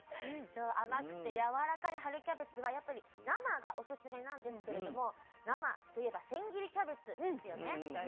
そう甘くてやわらかい春キャベツはやっぱり生がオススメなんですけれども生といえば千切りキャベツですよね。